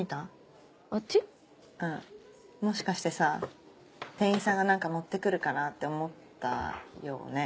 もしかしてさ店員さんが何か持って来るかなって思ったよね？